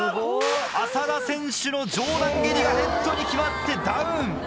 浅田選手の上段蹴りがヘッドに決まってダウン！